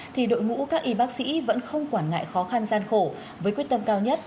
thì đội ngũ các y bác sĩ vẫn không quản ngại khó khăn gian khổ với quyết tâm cao nhất